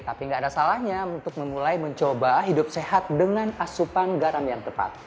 tapi nggak ada salahnya untuk memulai mencoba hidup sehat dengan asupan garam yang tepat